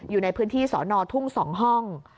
อยู่ในพื้นที่สอนอทุ่ง๒ห้อง